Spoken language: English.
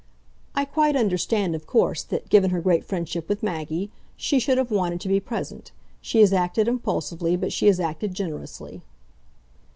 "I quite understand, of course, that, given her great friendship with Maggie, she should have wanted to be present. She has acted impulsively but she has acted generously."